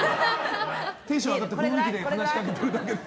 テンション上がって雰囲気で話しかけてるだけで。